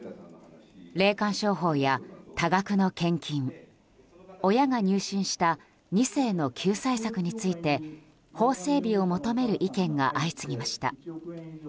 霊感商法や多額の献金親が入信した２世の救済策について法整備を求める意見が相次ぎました。